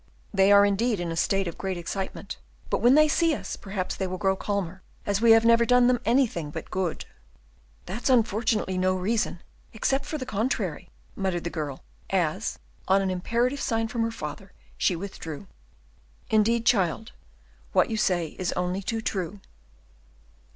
"They are indeed in a state of great excitement; but when they see us perhaps they will grow calmer, as we have never done them anything but good." "That's unfortunately no reason, except for the contrary," muttered the girl, as, on an imperative sign from her father, she withdrew. "Indeed, child, what you say is only too true."